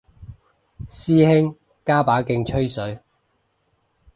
師兄加把勁吹水